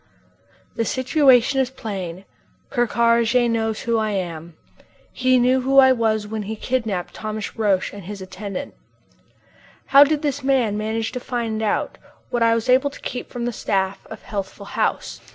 The situation is plain. Ker Karraje knows who I am. He knew who I was when he kidnapped Thomas Roch and his attendant. How did this man manage to find out what I was able to keep from the staff of Healthful House?